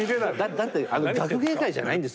だって学芸会じゃないんですから。